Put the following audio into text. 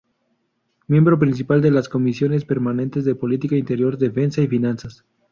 Miembro Principal de las Comisiones Permanentes de Política Interior, Defensa y Finanzas.